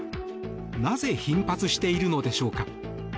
なぜ頻発しているのでしょうか。